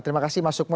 terima kasih mas sukmo